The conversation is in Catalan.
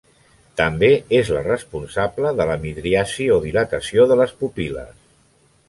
També és la responsable de la midriasi o dilatació de les pupil·les.